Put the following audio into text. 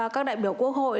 các đại biểu quốc hội